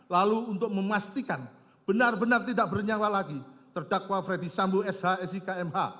lalu untuk memastikan benar benar tidak bernyawa lagi terdakwa ferdi sambo shsi kmh